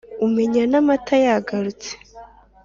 Umenya n’amata yagarutse.